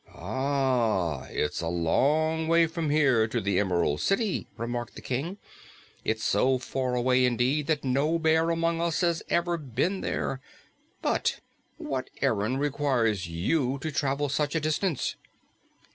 "Ah, it's a long way from here to the Emerald City," remarked the King. "It is so far away, indeed, that no bear among us has even been there. But what errand requires you to travel such a distance?"